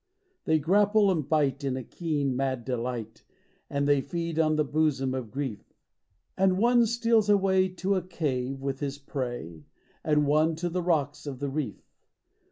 They grapple and bite in a keen, mad delight As they feed on the bosom of Grief ; And one steals away to a cave with his prey, And one to the rocks of the reef.